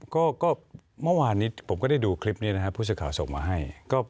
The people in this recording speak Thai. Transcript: ก็เมื่อวานนี้ผมก็ได้ดูคลิปนี้นะครับผู้สื่อข่าวส่งมาให้